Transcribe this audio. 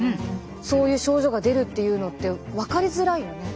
そういう症状が出るっていうのって分かりづらいよね。